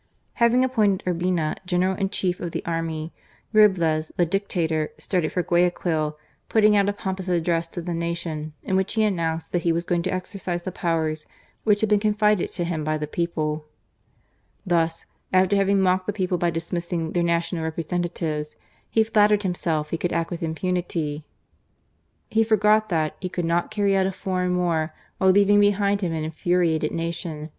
Having appointed Urbina General in Chief of the army, Roblez, "The Dictator," started for Guayaquil, putting out a pompous address to the nation in which he announced that he was going to exercise the powers "which had been confided to him by the people," Thus, after having mocked the people by dis missing their national representatives, he flattered himself he could act with impunity. He forgot that he could not carry out a foreign war while leaving behind him an infuriated nation.